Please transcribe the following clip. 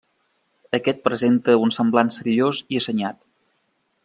Aquest presenta un semblant seriós i assenyat.